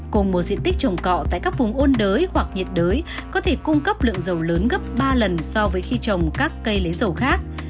cùng một diện tích trồng cọ tại các vùng ôn đới hoặc nhiệt đới có thể cung cấp lượng dầu lớn gấp ba lần so với khi trồng các cây lấy dầu khác